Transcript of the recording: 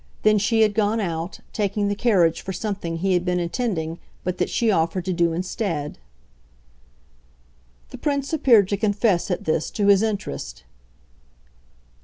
Then she had gone out taking the carriage for something he had been intending but that she offered to do instead." The Prince appeared to confess, at this, to his interest.